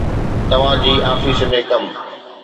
توهان جي آفيس ۾ ڪم.